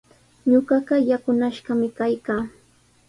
Ñuqaqa yakunashqami kaykaa.